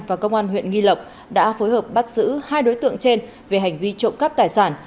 và công an huyện nghi lộc đã phối hợp bắt giữ hai đối tượng trên về hành vi trộm cắp tài sản